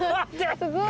すごい！